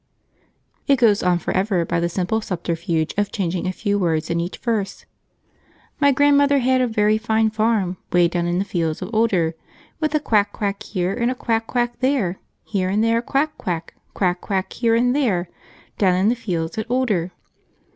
It goes on for ever by the simple subterfuge of changing a few words in each verse. My grandmother had a very fine farm 'Way down in the fields of Older. With a quack quack here, And a quack quack there, Here and there a quack quack, Quack quack here and there, Down in the fields at Older.